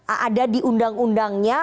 ada di undang undangnya